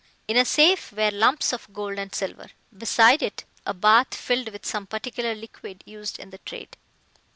In a safe were lumps of gold and silver. Beside it, a bath filled with some particular liquid used in the trade.